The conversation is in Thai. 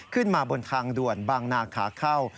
ขึ้นมาบนทางด่วนบางนาขาเข้า